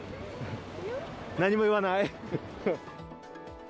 何も言わない。